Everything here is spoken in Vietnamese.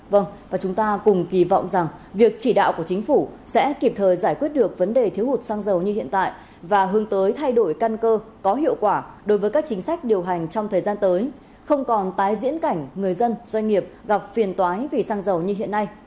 vâng và chúng ta cùng kỳ vọng rằng việc chỉ đạo của chính phủ sẽ kịp thời giải quyết được vấn đề thiếu hụt xăng dầu như hiện tại và hướng tới thay đổi căn cơ có hiệu quả đối với các chính sách điều hành trong thời gian tới không còn tái diễn cảnh người dân doanh nghiệp gặp phiền toái vì xăng dầu như hiện nay